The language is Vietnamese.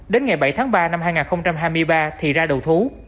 đến ngày bảy tháng ba năm hai nghìn hai mươi ba thì ra đầu thú